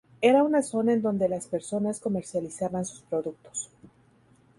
Era una zona en donde las personas comercializaban sus productos.